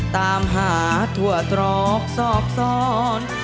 ตามหาถั่วตรอกซ้อน